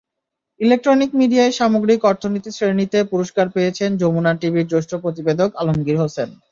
Electronic মিডিয়ায় সামগ্রিক অর্থনীতি শ্রেণিতে পুরস্কার পেয়েছেন যমুনা টিভির জ্যেষ্ঠ প্রতিবেদক আলমগীর হোসেন।